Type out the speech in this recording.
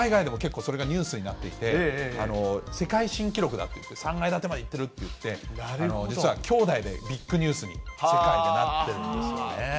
海外でも結構それがニュースになっていて、世界新記録だって言って、３階建てまで行ってるっていって、実は兄弟でビッグニュースに、世界でなってるんですよね。